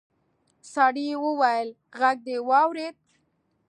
سړي وويل غږ دې واورېد.